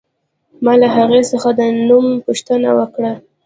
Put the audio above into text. ما له هغې څخه د نوم پوښتنه وکړه